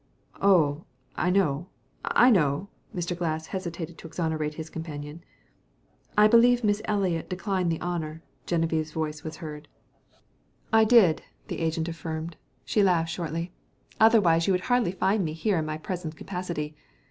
"Oh, I know, I know," Mr. Glass hastened to exonerate his companion. "I believe Miss Eliot declined the honor," Genevieve's voice was heard. "I did," the agent affirmed. She laughed shortly. "Otherwise you would hardly find me here in my present capacity.